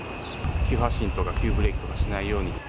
急発進とか急ブレーキとかをしないように。